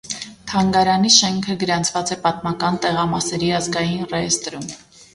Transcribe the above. Թանգարանի շենքը գրանցված է պատմական տեղամասերի ազգային ռեեստրում։